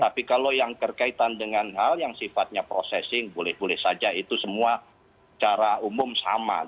jadi kalau yang terkaitan dengan hal yang sifatnya processing boleh boleh saja itu semua cara umum sama